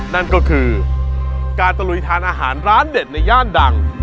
นั่นก็คือการตะลุยทานอาหารร้านเด็ดในย่านดัง